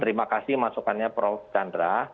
terima kasih masukannya prof chandra